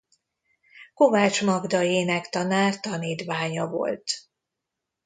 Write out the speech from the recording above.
Kovács Magda énektanár tanítványa volt.